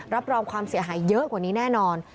รับรองความเสียหายเยอะกว่านี้แน่นอน